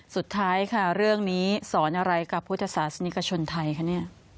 สุดท้ายค่ะเรื่องนี้สอนอะไรกับพุทธศาสนิกชนไทยคะเนี่ย